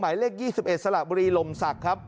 หมายเลข๒๑สระบุรีลมศักดิ์ครับ